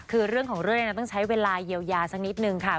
คือเรื่องของเรื่องต้องใช้เวลาเยียวยาสักนิดนึงค่ะ